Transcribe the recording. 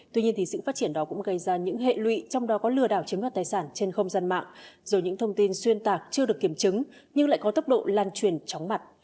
tuy nhiên thì sự phát triển đó cũng gây ra những hệ lụy trong đó có lừa đảo chiếm đoạt tài sản trên không gian mạng rồi những thông tin xuyên tạc chưa được kiểm chứng nhưng lại có tốc độ lan truyền chóng mặt